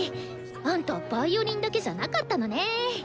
あんたヴァイオリンだけじゃなかったのね。